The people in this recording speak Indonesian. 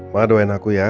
ma doain aku ya